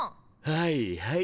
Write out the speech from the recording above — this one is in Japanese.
はいはい。